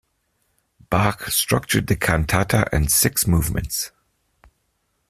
Bach structured the cantata in six movements.